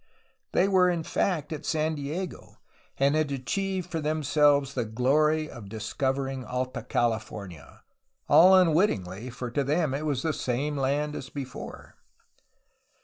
They were in fact at San Diego, and had achieved for them selves the glory of discovering Alta California, — all un wittingly, for to them it was the same land as before.